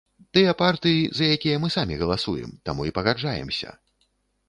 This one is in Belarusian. Тыя партыі, за якія мы самі галасуем, таму і пагаджаемся.